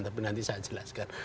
tapi nanti saya jelaskan